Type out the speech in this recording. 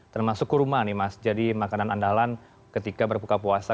termasuk kurma nih mas jadi makanan andalan ketika berbuka puasa